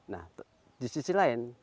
nah di sisi lain